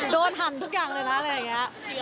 โดนหันทุกอย่างเลยนะอะไรอย่างเงี้ย